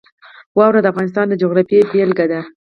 واوره د افغانستان د جغرافیې بېلګه ده.